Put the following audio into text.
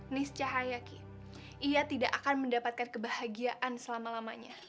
niscaya ki ia tidak akan mendapatkan kebahagiaan selama lamanya